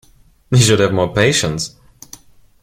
You should have more patience.